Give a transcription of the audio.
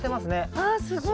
あすごい。